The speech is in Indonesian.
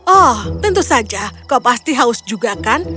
oh tentu saja kau pasti haus juga kan